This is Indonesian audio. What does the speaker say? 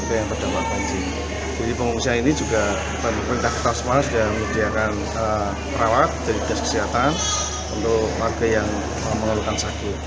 dan perawat dari dasar kesehatan untuk laki laki yang mengeluhkan sakit